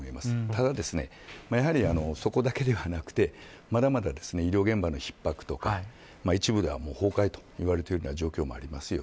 ただやはり、そこだけではなくてまだまだ医療現場の逼迫とか一部では崩壊と言われている状況もあります。